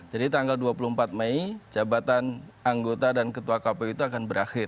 jadi tanggal dua puluh empat mei jabatan anggota dan ketua kpu itu akan berakhir